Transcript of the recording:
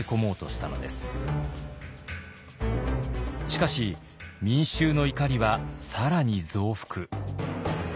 しかし民衆の怒りは更に増幅。